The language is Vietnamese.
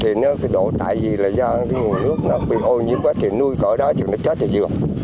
thì nó phải đổ tại vì do nguồn nước bị ô nhiễm quá thì nuôi có ở đó thì nó chết thì vừa